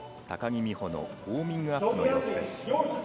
高木美帆のウオーミングアップの様子です。